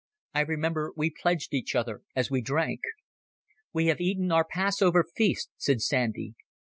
I remember we pledged each other as we drank. "We have eaten our Passover Feast," said Sandy.